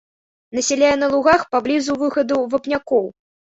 Насяляе на лугах паблізу выхадаў вапнякоў.